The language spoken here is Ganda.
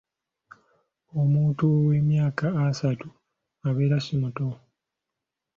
Omuntu ow'emyaka asatu abeera si muto.